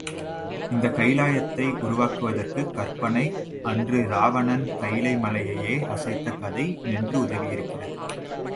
இந்தக் கைலாயத்தை உருவாக்குவதற்கு கற்பனை, அன்று இராவணன் கைலை மலையையே அசைத்த கதை நின்று உதவியிருக்கிறது.